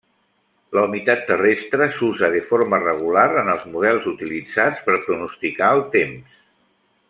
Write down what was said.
La humitat terrestre s'usa de forma regular en els models utilitzats per pronosticar el temps.